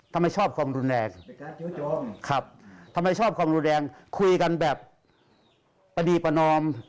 ชอบความรุนแรงครับทำไมชอบความรุนแรงคุยกันแบบประดีประนอม